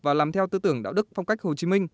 và làm theo tư tưởng đạo đức phong cách hồ chí minh